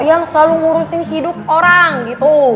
yang selalu ngurusin hidup orang gitu